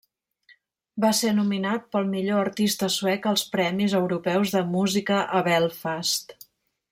Va ser nominat pel millor artista suec als premis europeus de música a Belfast.